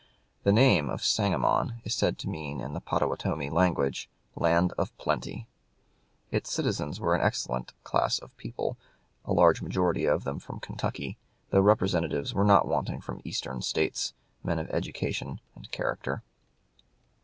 The name of Sangamon is said to mean in the Pottawatomie language "land of plenty." Its citizens were of an excellent class of people, a large majority of them from Kentucky, though representatives were not wanting from the Eastern States, men of education and character.